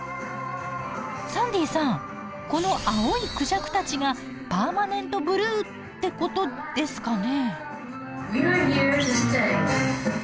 サンディーさんこの青いクジャクたちがパーマネントブルーってことですかね？